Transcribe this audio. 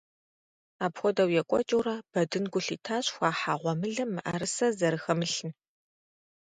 Апхуэдэу екӀуэкӀыурэ, Бэдын гу лъитащ хуахьа гъуэмылэм мыӀэрысэ зэрыхэмылъым.